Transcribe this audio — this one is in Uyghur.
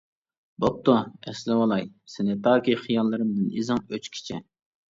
بوپتۇ، ئەسلىۋالاي سېنى تاكى خىياللىرىمدىن ئىزىڭ ئۆچكىچە!